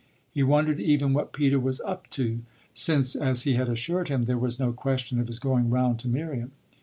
He wondered even what Peter was "up to," since, as he had assured him, there was no question of his going round to Miriam.